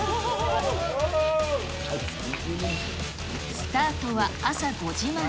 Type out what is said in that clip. スタートは朝５時前。